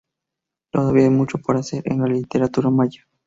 Todavía hay mucho por hacer en la literatura maya.